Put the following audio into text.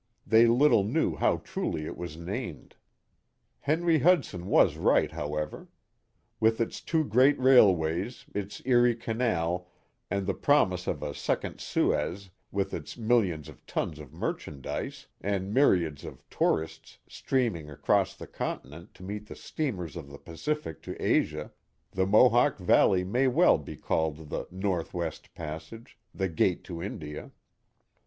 They little knew how truly it was named. Henry Hudson was right, however. With its two great railways, its Erie Canal, and the promise of a second Suez, with its millions of tons of merchandise, and myriads of tour ists streaming across the continent to meet the steamers of the Pacific to Asia, the Mohawk Valley may well be called the northwest passage," the Gate to India.